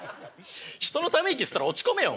人のため息吸ったら落ち込めよ。